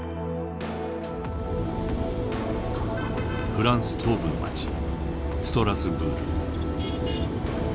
フランス東部の街ストラスブール。